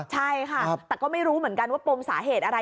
ใช่ค่ะแต่ก็ไม่รู้เหมือนกันว่าปมสาเหตุอะไร